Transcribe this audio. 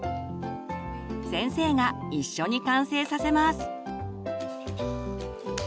先生が一緒に完成させます。